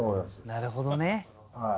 なるほどね。